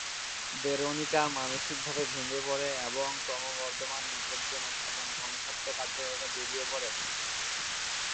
Veronica মানসিক ভাবে ভেঙে পড়ে এবং ক্রমবর্ধমান বিপজ্জনক এবং ধ্বংসাত্মক আচরণে জড়িয়ে পড়ে।